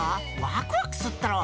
ワクワクすっだろ？